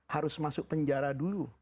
harus masuk penjara dulu